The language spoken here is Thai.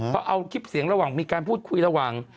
เขาเอาคลิปเสียงระหว่างมีการพูดคุยระหว่าง